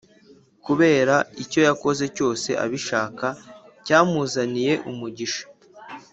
kubera icyo yakoze cyose abishaka cyamuzaniye umugisha